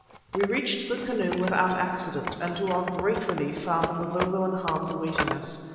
We reached the canoe without accident, and to our great relief found Mavovo and Hans awaiting us.